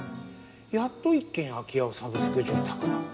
やっと１軒空き家をサブスク住宅に。